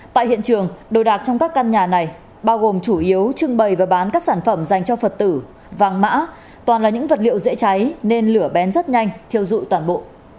tại hiện trường đồ đạc trong các căn nhà này bao gồm chủ yếu trưng bày và bán các sản phẩm dành cho phật tử vàng mã toàn là những vật liệu dễ cháy nên lửa bén rất nhanh thiêu dụi toàn bộ